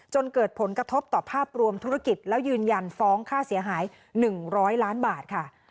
เกิดผลกระทบต่อภาพรวมธุรกิจแล้วยืนยันฟ้องค่าเสียหาย๑๐๐ล้านบาทค่ะ